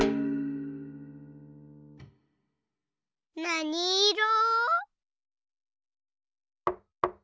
なにいろ？